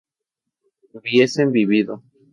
¿hubiesen vivido?